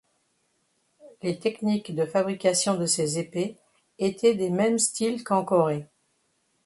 Les techniques de fabrication de ces épées étaient des mêmes styles qu'en Corée.